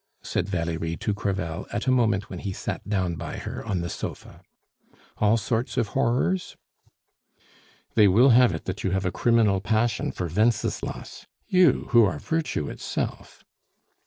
said Valerie to Crevel at a moment when he sat down by her on the sofa. "All sorts of horrors?" "They will have it that you have a criminal passion for Wenceslas you, who are virtue itself."